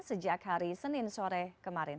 sejak hari senin sore kemarin